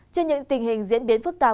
trên những tình hình diễn biến phức tạp